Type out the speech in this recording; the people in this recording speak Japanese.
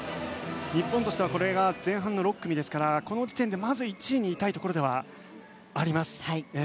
日本としてはこれが前半の６組ですからこの時点でまず１位にいたいところです。